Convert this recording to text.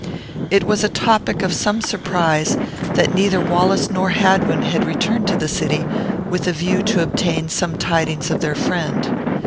It was a topic of some surprise that neither Wallace nor Hadwin had returned to the city, with a view to obtain some tidings of their friend.